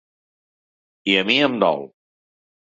I a mi em dol.